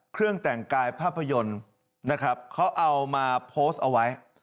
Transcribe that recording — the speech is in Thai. เครื่องแต่งกายภาพยนตร์นะครับเขาเอามาโพสต์เอาไว้